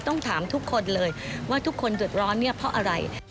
ต้องถามทุกคนเลยว่าทุกคนเดือดร้อนเนี่ยเพราะอะไร